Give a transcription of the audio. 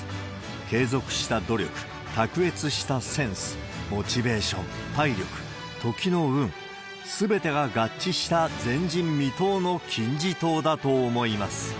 継続した努力、卓越したセンス、モチベーション、体力、時の運、すべてが合致した前人未到の金字塔だと思います。